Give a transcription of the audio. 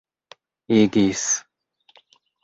igis